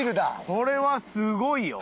これはすごいよ。